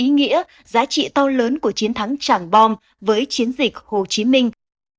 ý nghĩa giá trị to lớn của chiến thắng chẳng bom với chiến dịch hồ chí minh